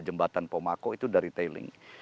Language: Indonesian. jembatan pomako itu dari tailing